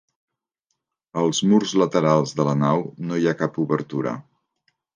Als murs laterals de la nau no hi ha cap obertura.